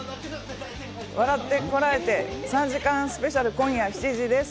『笑ってコラえて！』３時間スペシャル今夜７時です。